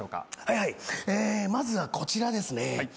まずはこちらですね。